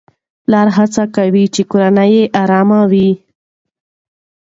پلار هڅه کوي چې کورنۍ يې آرامه وي.